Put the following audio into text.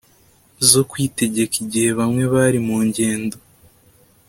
zo kwitegeka Igihe bamwe bari mu ngendo